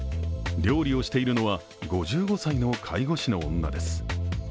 料理をしているのは５５歳の介護士の女です。